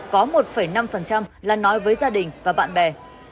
có một năm là nói với gia đình và bạn bè